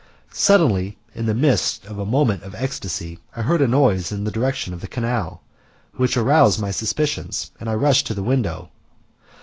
Suddenly, in the midst of a moment of ecstasy, I heard a noise in the direction of the canal, which aroused my suspicions, and I rushed to the window.